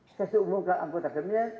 setelah saya umumkan anggota kapital